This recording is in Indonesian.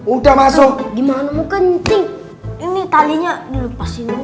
udah masuk gimana ini talinya tahu pas kita